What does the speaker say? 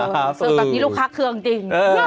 แบบนี้ลูกค้าเคลื่อนจริง